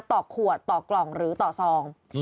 ต่อขวดต่อกล่องหรือต่อซอง